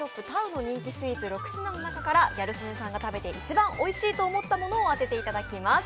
ＴＡＵの人気スイーツ、６品の中からギャル曽根さんが食べて一番おいしいと思ったものを当てていただきます。